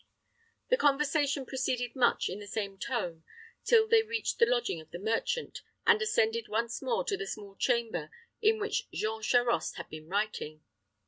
The conversation proceeded much in the same tone till they reached the lodging of the merchant, and ascended once more to the small chamber in which Jean Charost had been writing.